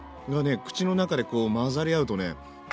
口の中でこう混ざり合うとね最後スープ。